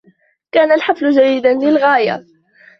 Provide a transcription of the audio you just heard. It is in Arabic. كان الحفل جيّدا للغاية.